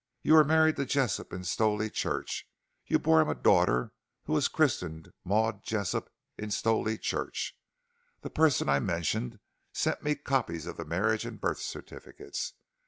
"You were married to Jessop in Stowley Church; you bore him a daughter who was christened Maud Jessop in Stowley Church. The person I mentioned sent me copies of the marriage and birth certificates.